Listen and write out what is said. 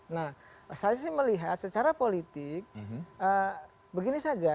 nah saya sih melihat secara politik begini saja